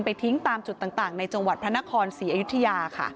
ทิ้งตามจุดต่างในจังหวัดพระนครศรีอยุธยาค่ะ